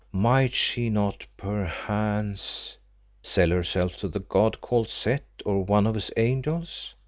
might she not perchance " "Sell herself to the god called Set, or one of his angels?